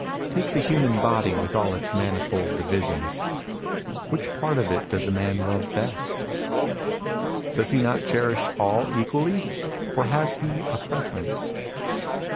" Take the human body with all its manifold divisions. Which part of it does a man love best ? Does he not cherish all equally, or has he a preference